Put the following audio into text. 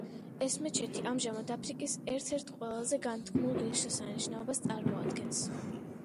ეს მეჩეთი ამჟამად აფრიკის ერთ-ერთ ყველაზე განთქმულ ღირსშესანიშნაობას წარმოადგენს.